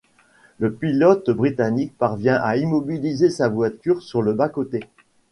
Le pilote britannique parvient à immobiliser sa voiture sur le bas-côté.